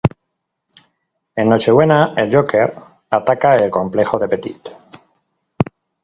En Nochebuena, el Joker ataca el complejo de Petit.